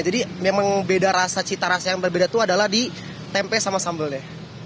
memang beda rasa cita rasa yang berbeda itu adalah di tempe sama sambalnya